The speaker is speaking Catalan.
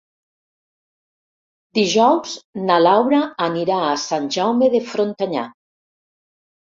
Dijous na Laura anirà a Sant Jaume de Frontanyà.